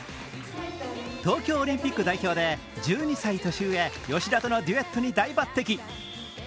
東京オリンピック代表で１２歳年上、吉田とのデュエットに大抜てき。